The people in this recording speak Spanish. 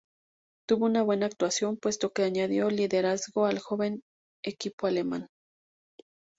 Tuvo una buena actuación, puesto que añadió liderazgo al joven equipo alemán.